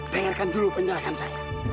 dengarkan dulu penjelasan saya